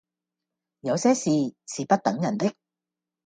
有些事是不等人的